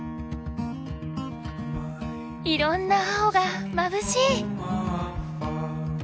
いろんな青がまぶしい！